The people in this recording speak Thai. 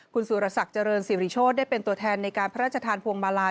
คุณสุรศักดิ์เจริญสิริโชธได้เป็นตัวแทนในการพระราชทานพวงมาลัย